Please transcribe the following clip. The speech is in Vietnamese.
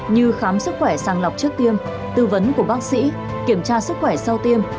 như khám sức khỏe sàng lọc trước tiêm tư vấn của bác sĩ kiểm tra sức khỏe sau tiêm